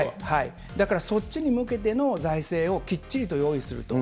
だからそっちに向けての財政をきっちりと用意すると。